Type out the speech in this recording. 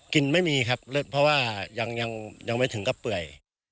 ไม่มีครับเพราะว่ายังไม่ถึงก็เปื่อย